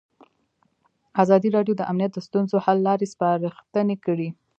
ازادي راډیو د امنیت د ستونزو حل لارې سپارښتنې کړي.